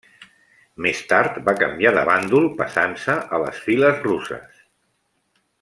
Més tard va canviar de bàndol passant-se a les files russes.